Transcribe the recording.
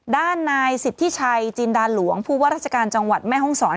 ด้านนายสิทธิชัยจินดาหลวงผู้ว่าราชการจังหวัดแม่ห้องศร